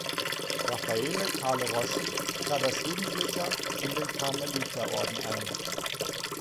Raffaele Carlo Rossi trat als Jugendlicher in den Karmeliterorden ein.